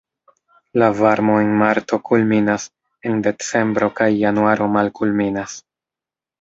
La varmo en marto kulminas, en decembro kaj januaro malkulminas.